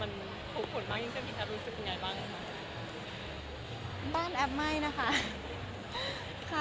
ให้ความสะพานะของครอบครัวมันผลุผลบ้างใช่ไหมคะรู้สึกยังไงบ้าง